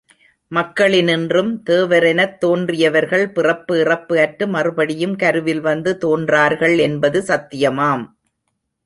மக்களினின்றும் தேவரெனத் தோன்றியவர்கள் பிறப்பு இறப்பு அற்று மறுபடியும் கருவில் வந்து தோன்றார்கள் என்பது சத்தியமாம்.